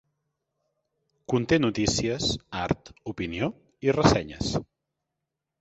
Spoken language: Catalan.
Conté notícies, art, opinió i ressenyes.